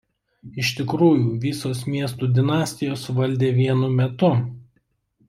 Iš tikrųjų visos miestų dinastijos valdė vienu metu.